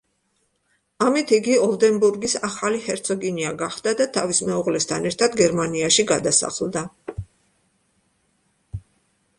ამით იგი ოლდენბურგის ახალი ჰერცოგინია გახდა და თავის მეუღლესთან ერთად გერმანიაში გადასახლდა.